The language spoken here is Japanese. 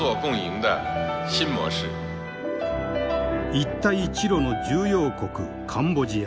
一帯一路の重要国カンボジア。